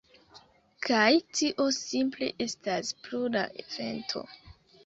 Kaj tio simple estas pro la vento.